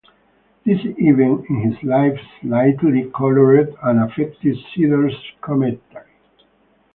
This event in his life slightly colored and affected Seder's commentary.